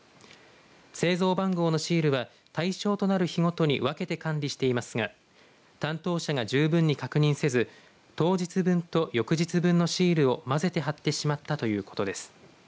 製造番号のシールは対象となる日ごとに分けて管理していますが担当者が十分に確認せず当日分と、翌日分のシールを混ぜて貼ってしまったということです。